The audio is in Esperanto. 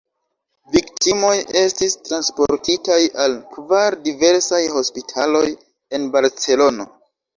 Viktimoj estis transportitaj al kvar diversaj hospitaloj en Barcelono.